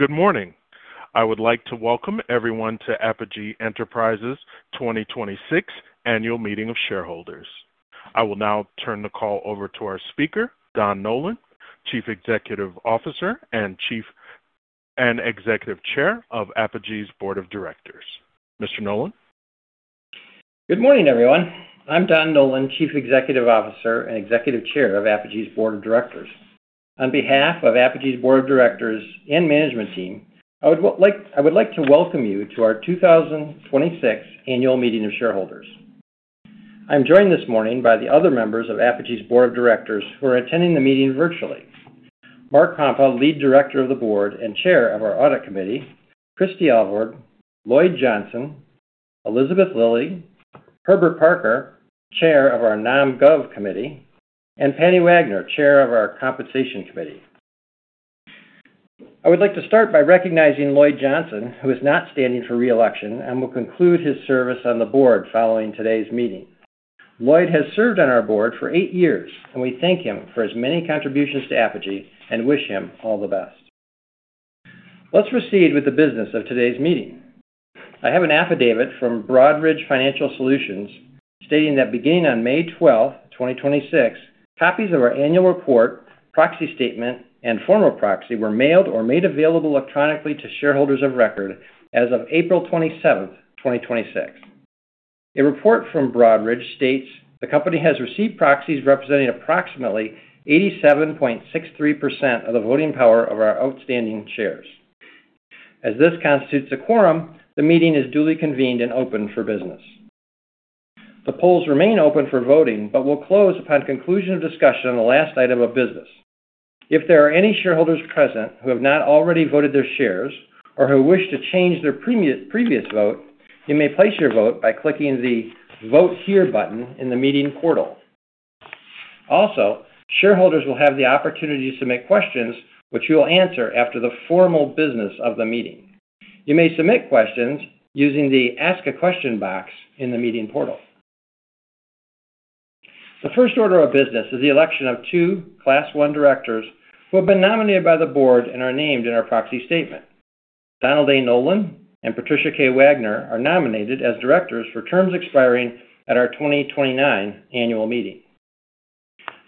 Good morning. I would like to welcome everyone to Apogee Enterprises 2026 Annual Meeting of Shareholders. I will now turn the call over to our speaker, Don Nolan, Chief Executive Officer and Executive Chair of Apogee's Board of Directors. Mr. Nolan? Good morning, everyone. I'm Don Nolan, Chief Executive Officer and Executive Chair of Apogee's Board of Directors. On behalf of Apogee's Board of Directors and management team, I would like to welcome you to our 2026 Annual Meeting of Shareholders. I'm joined this morning by the other members of Apogee's Board of Directors who are attending the meeting virtually. Mark Pompa, Lead Director of the Board and Chair of our Audit Committee, Christy Alvord, Lloyd Johnson, Elizabeth Lilly, Herbert Parker, Chair of our Nom Gov Committee, and Patty Wagner, Chair of our Compensation Committee. I would like to start by recognizing Lloyd Johnson, who is not standing for re-election and will conclude his service on the board following today's meeting. Lloyd has served on our board for eight years, and we thank him for his many contributions to Apogee and wish him all the best. Let's proceed with the business of today's meeting. I have an affidavit from Broadridge Financial Solutions stating that beginning on May 12th, 2026, copies of our annual report, proxy statement, and formal proxy were mailed or made available electronically to shareholders of record as of April 27th, 2026. A report from Broadridge states the company has received proxies representing approximately 87.63% of the voting power of our outstanding shares. As this constitutes a quorum, the meeting is duly convened and open for business. The polls remain open for voting, but will close upon conclusion of discussion on the last item of business. If there are any shareholders present who have not already voted their shares or who wish to change their previous vote, you may place your vote by clicking the Vote Here button in the meeting portal. Also, shareholders will have the opportunity to submit questions, which we will answer after the formal business of the meeting. You may submit questions using the Ask a Question box in the meeting portal. The first order of business is the election of two class one directors who have been nominated by the board and are named in our proxy statement. Donald A. Nolan and Patricia K. Wagner are nominated as directors for terms expiring at our 2029 annual meeting.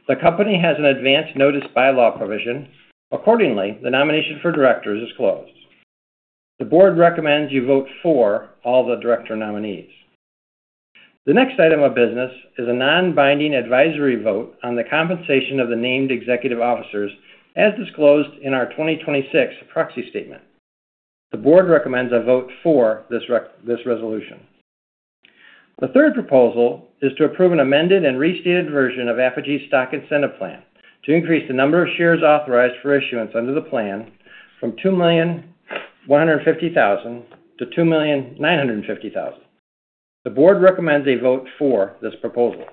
The company has an advanced notice bylaw provision. Accordingly, the nomination for directors is closed. The board recommends you vote for all the director nominees. The next item of business is a non-binding advisory vote on the compensation of the named executive officers as disclosed in our 2026 proxy statement. The board recommends a vote for this resolution. The third proposal is to approve an amended and restated version of Apogee's stock incentive plan to increase the number of shares authorized for issuance under the plan from 2,150,000 to 2,950,000. The board recommends a vote for this proposal.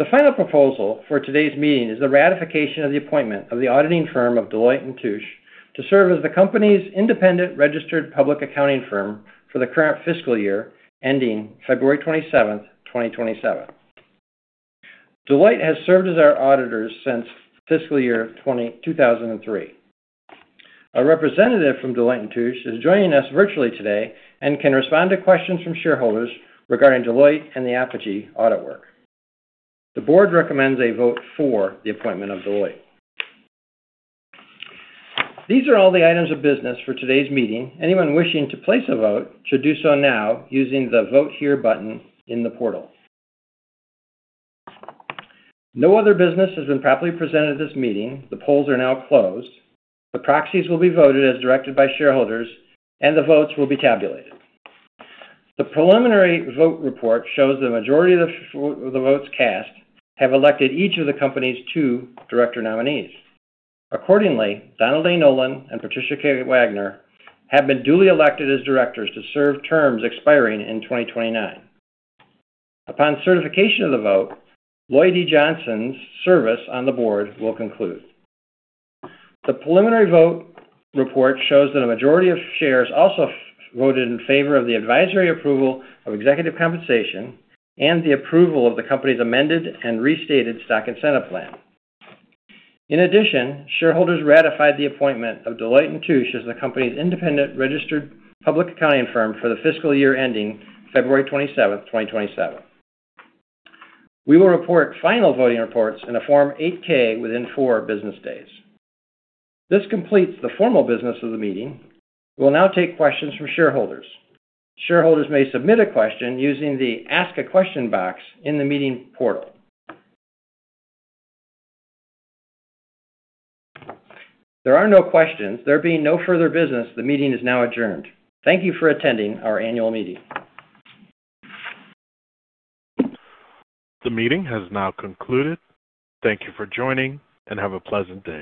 The final proposal for today's meeting is the ratification of the appointment of the auditing firm of Deloitte & Touche to serve as the company's independent registered public accounting firm for the current fiscal year ending February 27th, 2027. Deloitte has served as our auditors since fiscal year 2003. A representative from Deloitte & Touche is joining us virtually today and can respond to questions from shareholders regarding Deloitte and the Apogee audit work. The board recommends a vote for the appointment of Deloitte. These are all the items of business for today's meeting. Anyone wishing to place a vote should do so now using the Vote Here button in the portal. No other business has been properly presented at this meeting. The polls are now closed. The proxies will be voted as directed by shareholders, and the votes will be tabulated. The preliminary vote report shows the majority of the votes cast have elected each of the company's two director nominees. Accordingly, Donald A. Nolan and Patricia K. Wagner have been duly elected as directors to serve terms expiring in 2029. Upon certification of the vote, Lloyd D. Johnson's service on the board will conclude. The preliminary vote report shows that a majority of shares also voted in favor of the advisory approval of executive compensation and the approval of the company's amended and restated stock incentive plan. In addition, shareholders ratified the appointment of Deloitte & Touche as the company's independent registered public accounting firm for the fiscal year ending February 27th, 2027. We will report final voting reports in a Form 8-K within four business days. This completes the formal business of the meeting. We will now take questions from shareholders. Shareholders may submit a question using the Ask a Question box in the meeting portal. There are no questions. There being no further business, the meeting is now adjourned. Thank you for attending our annual meeting. The meeting has now concluded. Thank you for joining, and have a pleasant day.